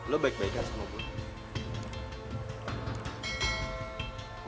lo baik baikkan sama gue